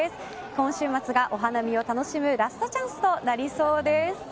今週末がお花見を楽しむラストチャンスとなりそうです。